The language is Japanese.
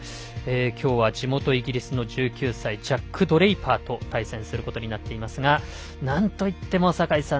きょうは地元、イギリスの１９歳ジャック・ドレイパーと対戦することになっていますがなんといっても坂井さん